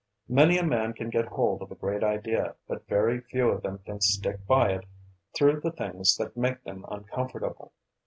Many a man can get hold of a great idea, but very few of them can stick by it through the things that make them uncomfortable.